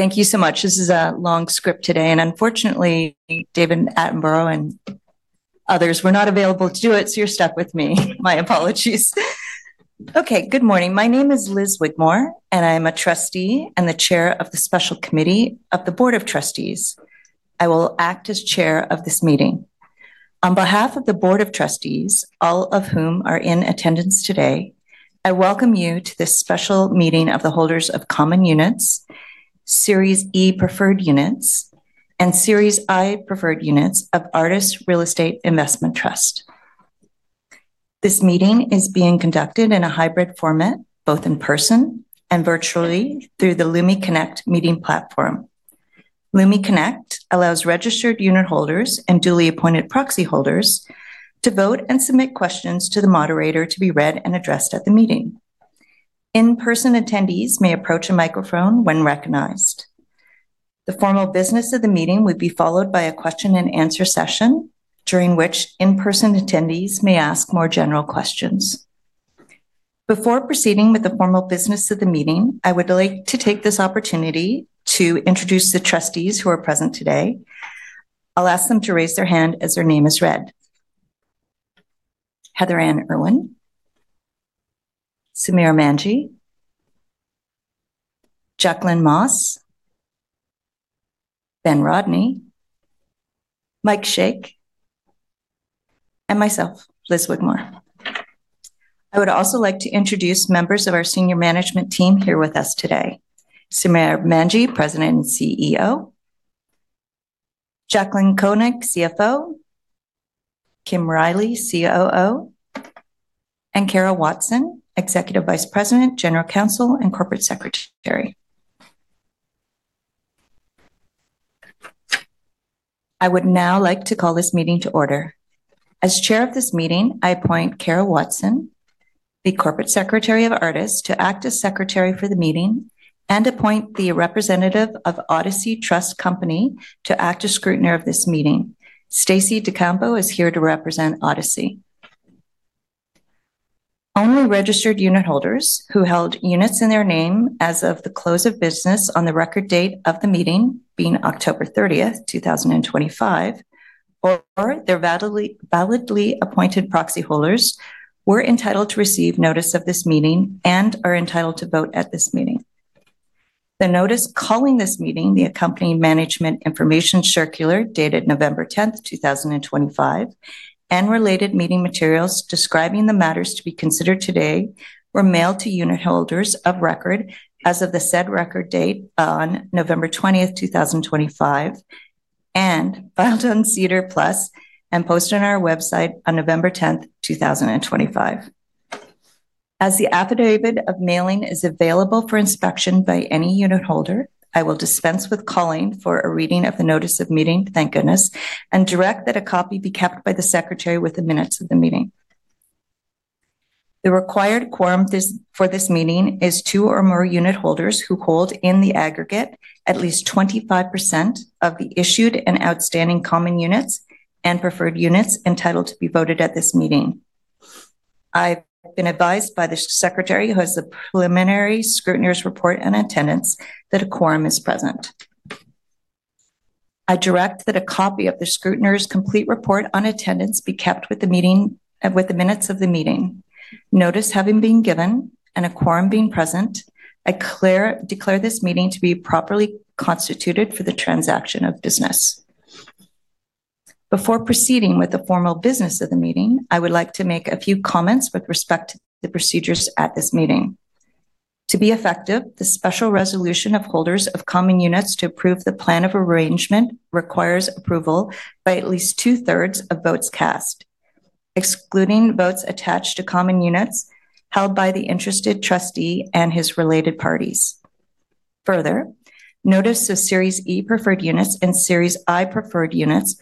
Thank you so much. This is a long script today, and unfortunately, David Attenborough and others were not available to do it, so you're stuck with me. My apologies. Okay, good morning. My name is Lis Wigmore, and I am a trustee and the chair of the special committee of the Board of Trustees. I will act as chair of this meeting. On behalf of the Board of Trustees, all of whom are in attendance today, I welcome you to this special meeting of the holders of common units, Series E preferred units, and Series I preferred units of Artis Real Estate Investment Trust. This meeting is being conducted in a hybrid format, both in person and virtually, through the Lumi Connect meeting platform. Lumi Connect allows registered unit holders and duly appointed proxy holders to vote and submit questions to the moderator to be read and addressed at the meeting. In-person attendees may approach a microphone when recognized. The formal business of the meeting would be followed by a question-and-answer session, during which in-person attendees may ask more general questions. Before proceeding with the formal business of the meeting, I would like to take this opportunity to introduce the trustees who are present today. I'll ask them to raise their hand as their name is read. Heather-Anne Irwin, Samir Manji, Jacqueline Moss, Ben Rodney, Mike Shackell, and myself, Lis Wigmore. I would also like to introduce members of our senior management team here with us today: Samir Manji, President and CEO; Jaclyn Koenig, CFO; Kim Riley, COO; and Kara Watson, Executive Vice President, General Counsel, and Corporate Secretary. I would now like to call this meeting to order. As Chair of this meeting, I appoint Kara Watson, the Corporate Secretary of Artis, to act as secretary for the meeting, and appoint the representative of Odyssey Trust Company to act as scrutineer of this meeting. Stacey DeCampo is here to represent Odyssey. Only registered unit holders who held units in their name as of the close of business on the record date of the meeting, being October 30th, 2025, or their validly appointed proxy holders, were entitled to receive notice of this meeting and are entitled to vote at this meeting. The notice calling this meeting, the accompanying management information circular dated November 10th, 2025, and related meeting materials describing the matters to be considered today were mailed to unit holders of record as of the said record date on November 20th, 2025, and filed on SEDAR+ and posted on our website on November 10th, 2025. As the affidavit of mailing is available for inspection by any unit holder, I will dispense with calling for a reading of the notice of meeting, thank goodness, and direct that a copy be kept by the secretary with the minutes of the meeting. The required quorum for this meeting is two or more unit holders who hold in the aggregate at least 25% of the issued and outstanding common units and preferred units entitled to be voted at this meeting. I've been advised by the secretary who has the preliminary scrutineer's report in attendance that a quorum is present. I direct that a copy of the scrutineer's complete report on attendance be kept with the minutes of the meeting. Notice having been given and a quorum being present, I declare this meeting to be properly constituted for the transaction of business. Before proceeding with the formal business of the meeting, I would like to make a few comments with respect to the procedures at this meeting. To be effective, the special resolution of holders of common units to approve the plan of arrangement requires approval by at least 2/3 of votes cast, excluding votes attached to common units held by the interested trustee and his related parties. Further, notice of Series E preferred units and Series I preferred units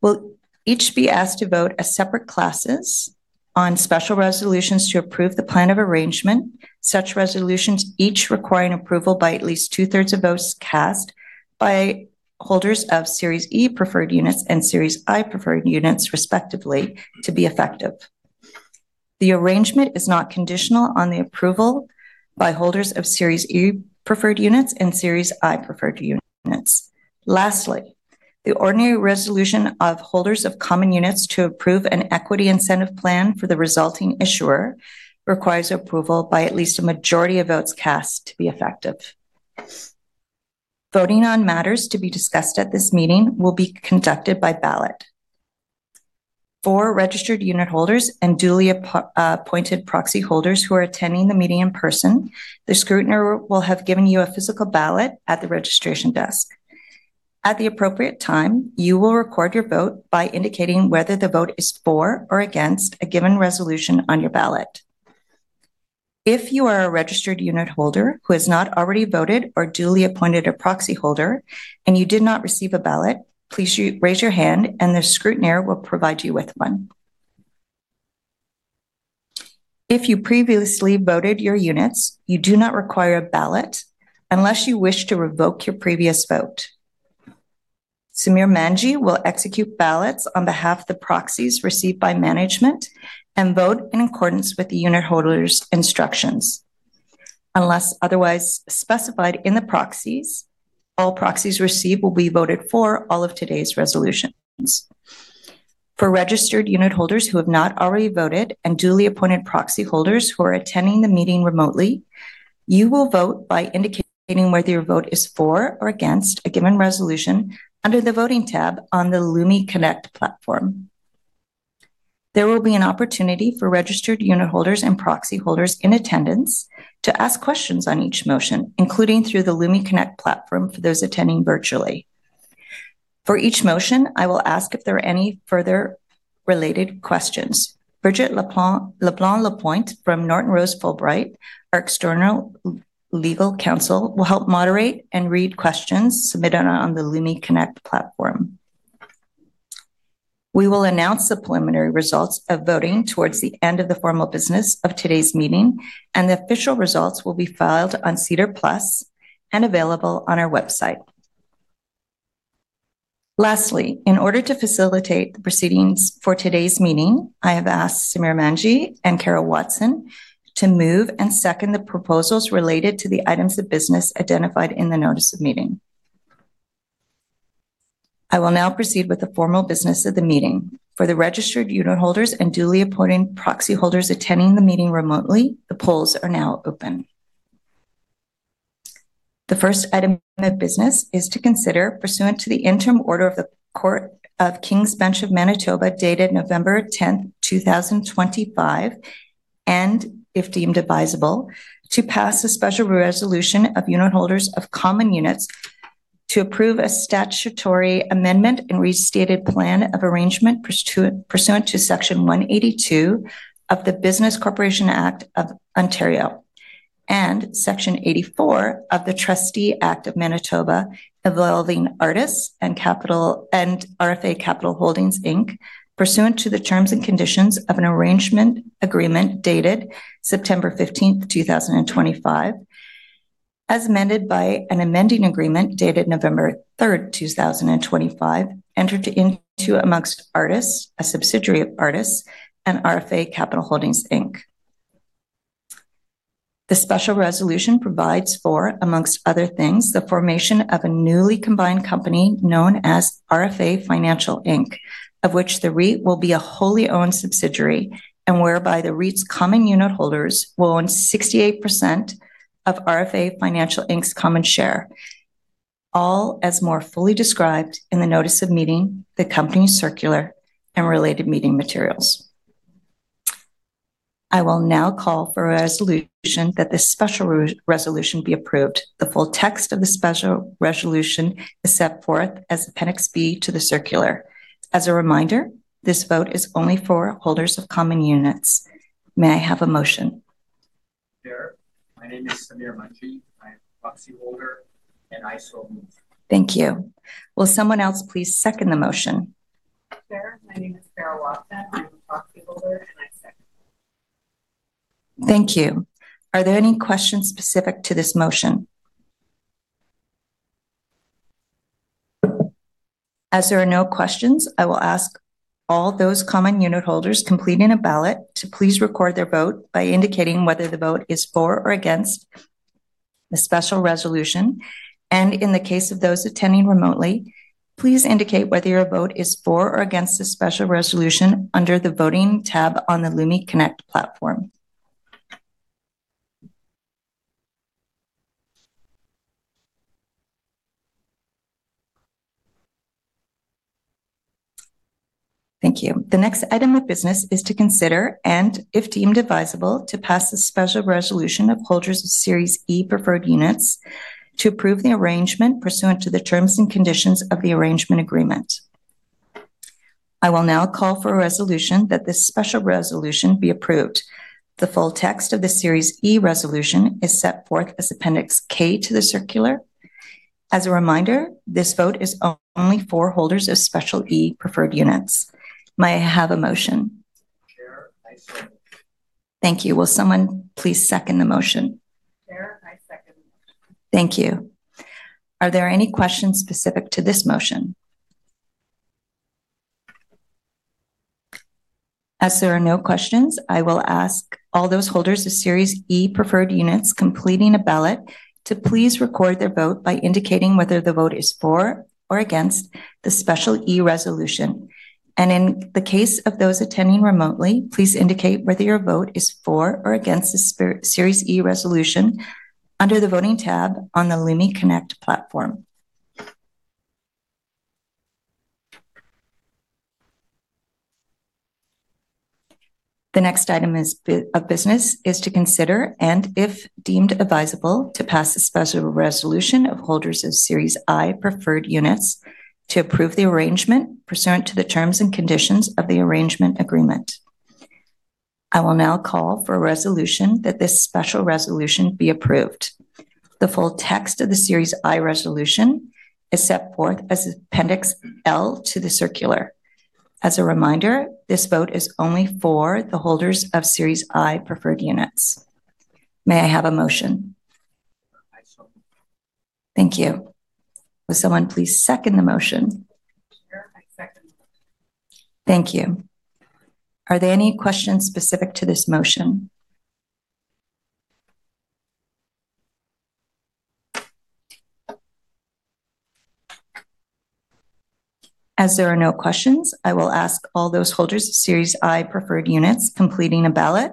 will each be asked to vote as separate classes on special resolutions to approve the plan of arrangement, such resolutions each requiring approval by at least 2/3 of votes cast by holders of Series E preferred units and Series I preferred units, respectively, to be effective. The arrangement is not conditional on the approval by holders of Series E preferred units and Series I preferred units. Lastly, the ordinary resolution of holders of common units to approve an equity incentive plan for the resulting issuer requires approval by at least a majority of votes cast to be effective. Voting on matters to be discussed at this meeting will be conducted by ballot. For registered unit holders and duly appointed proxy holders who are attending the meeting in person, the scrutineer will have given you a physical ballot at the registration desk. At the appropriate time, you will record your vote by indicating whether the vote is for or against a given resolution on your ballot. If you are a registered unit holder who has not already voted or duly appointed a proxy holder and you did not receive a ballot, please raise your hand and the scrutineer will provide you with one. If you previously voted your units, you do not require a ballot unless you wish to revoke your previous vote. Samir Manji will execute ballots on behalf of the proxies received by management and vote in accordance with the unit holder's instructions. Unless otherwise specified in the proxies, all proxies received will be voted for all of today's resolutions. For registered unit holders who have not already voted and duly appointed proxy holders who are attending the meeting remotely, you will vote by indicating whether your vote is for or against a given resolution under the voting tab on the Lumi Connect platform. There will be an opportunity for registered unit holders and proxy holders in attendance to ask questions on each motion, including through the Lumi Connect platform for those attending virtually. For each motion, I will ask if there are any further related questions. Brigitte LeBlanc-Lapointe from Norton Rose Fulbright, our external legal counsel, will help moderate and read questions submitted on the Lumi Connect platform. We will announce the preliminary results of voting towards the end of the formal business of today's meeting, and the official results will be filed on SEDAR+ and available on our website. Lastly, in order to facilitate the proceedings for today's meeting, I have asked Samir Manji and Kara Watson to move and second the proposals related to the items of business identified in the notice of meeting. I will now proceed with the formal business of the meeting. For the registered unit holders and duly appointed proxy holders attending the meeting remotely, the polls are now open. The first item of business is to consider pursuant to the interim order of the Court of King's Bench of Manitoba dated November 10th, 2025, and if deemed advisable, to pass a special resolution of unit holders of common units to approve a statutory amendment and restated plan of arrangement pursuant to Section 182 of the Business Corporations Act of Ontario and Section 84 of the Trustee Act of Manitoba involving Artis and RFA Capital Holdings Inc. Pursuant to the terms and conditions of an arrangement agreement dated September 15th, 2025, as amended by an amending agreement dated November 3rd, 2025, entered into amongst Artis, a subsidiary of Artis, and RFA Capital Holdings Inc. The special resolution provides for, amongst other things, the formation of a newly combined company known as RFA Financial Inc., of which the REIT will be a wholly owned subsidiary, and whereby the REIT's common unit holders will own 68% of RFA Financial Inc.'s common share, all as more fully described in the notice of meeting, the company circular, and related meeting materials. I will now call for a resolution that this special resolution be approved. The full text of the special resolution is set forth as Appendix B to the circular. As a reminder, this vote is only for holders of common units. May I have a motion? Chair, my name is Samir Manji. I am a proxy holder, and I so move. Thank you. Will someone else please second the motion? Chair, my name is Kara Watson. I'm a proxy holder, and I second. Thank you. Are there any questions specific to this motion? As there are no questions, I will ask all those common unit holders completing a ballot to please record their vote by indicating whether the vote is for or against the special resolution. And in the case of those attending remotely, please indicate whether your vote is for or against the special resolution under the voting tab on the Lumi Connect platform. Thank you. The next item of business is to consider, and if deemed advisable, to pass a special resolution of holders of Series E preferred units to approve the arrangement pursuant to the terms and conditions of the arrangement agreement. I will now call for a resolution that this special resolution be approved. The full text of the Series E resolution is set forth as Appendix K to the circular. As a reminder, this vote is only for holders of Series E preferred units. May I have a motion? Chair, I second. Thank you. Will someone please second the motion? Chair, I second the motion. Thank you. Are there any questions specific to this motion? As there are no questions, I will ask all those holders of Series E preferred units completing a ballot to please record their vote by indicating whether the vote is for or against the Special E resolution. And in the case of those attending remotely, please indicate whether your vote is for or against the Series E resolution under the voting tab on the Lumi Connect platform. The next item of business is to consider, and if deemed advisable, to pass a special resolution of holders of Series I preferred units to approve the arrangement pursuant to the terms and conditions of the arrangement agreement. I will now call for a resolution that this special resolution be approved. The full text of the Series I resolution is set forth as Appendix L to the circular. As a reminder, this vote is only for the holders of Series I preferred units. May I have a motion? I so move. Thank you. Will someone please second the motion? Chair, I second the motion. Thank you. Are there any questions specific to this motion? As there are no questions, I will ask all those holders of Series I preferred units completing a ballot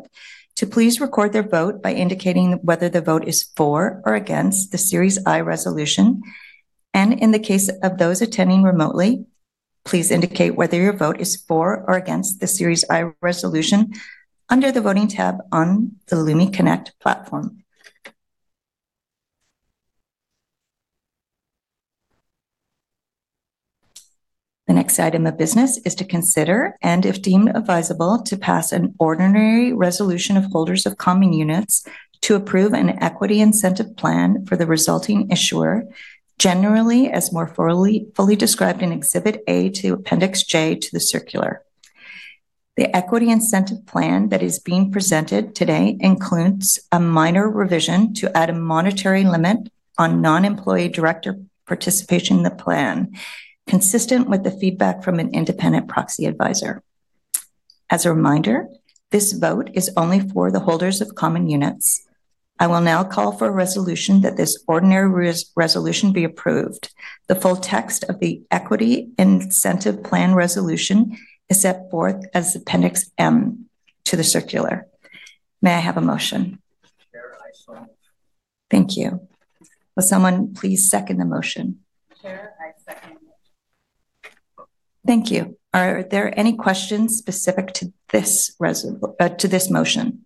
to please record their vote by indicating whether the vote is for or against the Series I resolution. And in the case of those attending remotely, please indicate whether your vote is for or against the Series I resolution under the voting tab on the Lumi Connect platform. The next item of business is to consider, and if deemed advisable, to pass an ordinary resolution of holders of common units to approve an equity incentive plan for the resulting issuer, generally as more fully described in Exhibit A to Appendix J to the circular. The equity incentive plan that is being presented today includes a minor revision to add a monetary limit on non-employee director participation in the plan, consistent with the feedback from an independent proxy advisor. As a reminder, this vote is only for the holders of common units. I will now call for a resolution that this ordinary resolution be approved. The full text of the equity incentive plan resolution is set forth as Appendix M to the circular. May I have a motion? Chair, I so move. Thank you. Will someone please second the motion? Chair, I second the motion. Thank you. Are there any questions specific to this motion?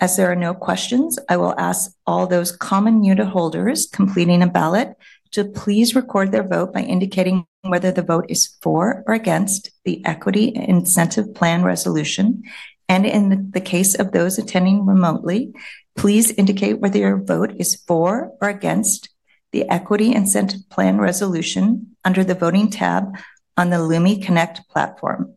As there are no questions, I will ask all those common unit holders completing a ballot to please record their vote by indicating whether the vote is for or against the equity incentive plan resolution. And in the case of those attending remotely, please indicate whether your vote is for or against the equity incentive plan resolution under the voting tab on the Lumi Connect platform.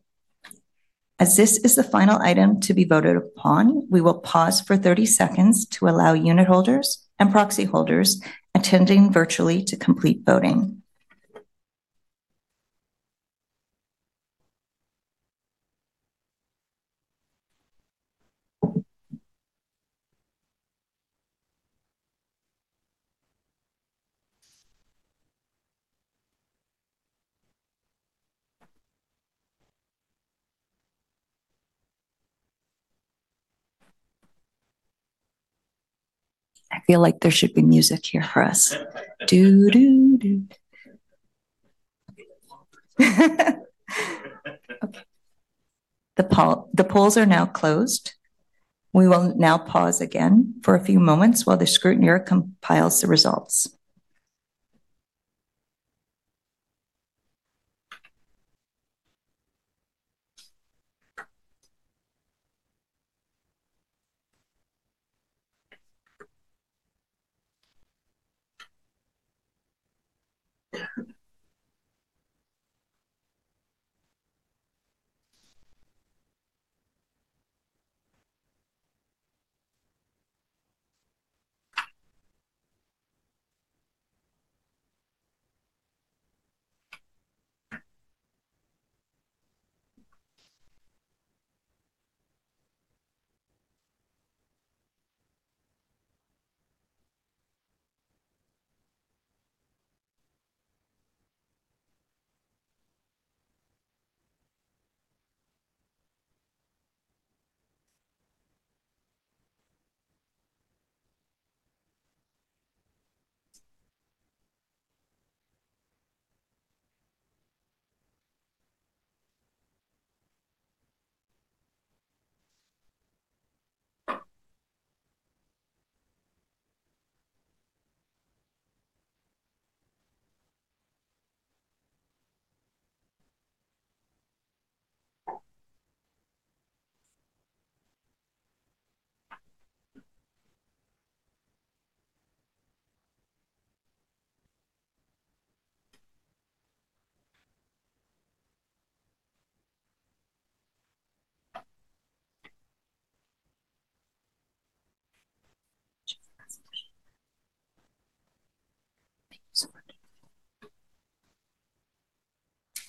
As this is the final item to be voted upon, we will pause for 30 seconds to allow unit holders and proxy holders attending virtually to complete voting. I feel like there should be music here for us. Do do do. The polls are now closed. We will now pause again for a few moments while the scrutineer compiles the results.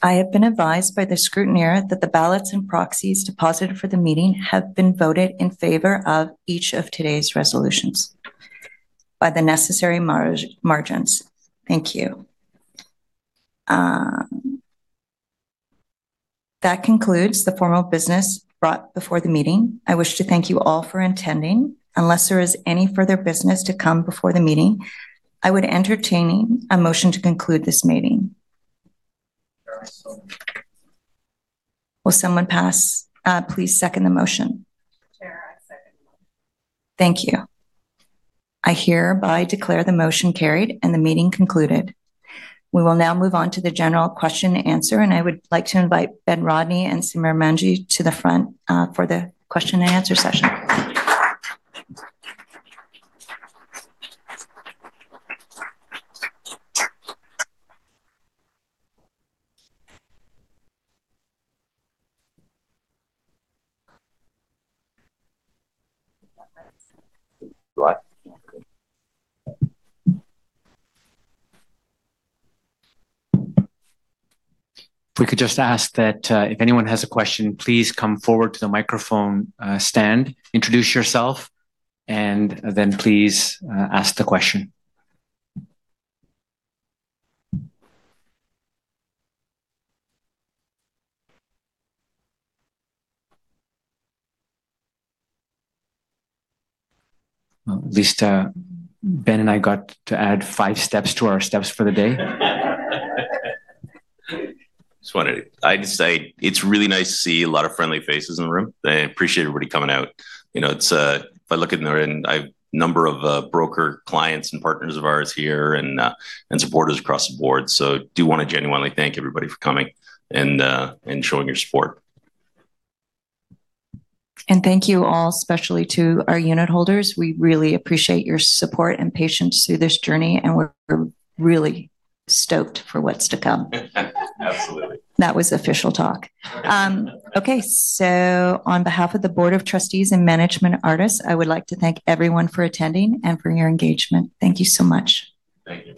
I have been advised by the scrutineer that the ballots and proxies deposited for the meeting have been voted in favor of each of today's resolutions by the necessary margins. Thank you. That concludes the formal business brought before the meeting. I wish to thank you all for attending. Unless there is any further business to come before the meeting, I would entertain a motion to conclude this meeting. Chair, I so move. Will someone please second the motion? Chair, I second the motion. Thank you. I hereby declare the motion carried and the meeting concluded. We will now move on to the general question and answer, and I would like to invite Ben Rodney and Samir Manji to the front for the question and answer session. If we could just ask that if anyone has a question, please come forward to the microphone stand, introduce yourself, and then please ask the question. At least Ben and I got to add five steps to our steps for the day. I just wanted to say it's really nice to see a lot of friendly faces in the room. I appreciate everybody coming out. If I look in the room, I have a number of broker clients and partners of ours here and supporters across the board. So I do want to genuinely thank everybody for coming and showing your support. Thank you all, especially to our unit holders. We really appreciate your support and patience through this journey, and we're really stoked for what's to come. That was official talk. Okay, so on behalf of the Board of Trustees and Management Artis, I would like to thank everyone for attending and for your engagement. Thank you so much. Thank you.